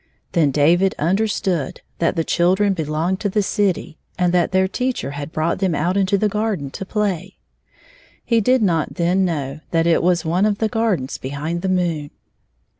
Then David understood that the children belonged to the city, and that their teacher had brought them out into the garden to play. (He did not then know that it was one of the gardens behind the moon.)